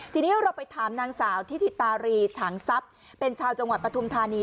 ทีนี้เราไปถามนางสาวทิธิตารีฉางทรัพย์เป็นชาวจังหวัดปฐุมธานี